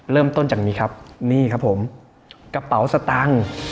เริ่มต้นจากนี้ครับนี่ครับผมกระเป๋าสตังค์